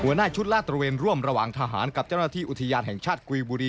หน้าชุดลาดตระเวนร่วมระหว่างทหารกับเจ้าหน้าที่อุทยานแห่งชาติกุยบุรี